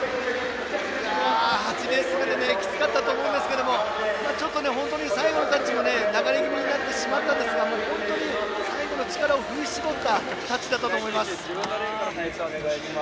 ８レース目できつかったと思いますがちょっと、最後のタッチが流れ気味になってしまいましたが本当に最後に力を振り絞ったタッチだったと思います。